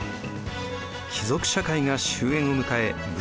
貴族社会が終えんを迎え武士が台頭。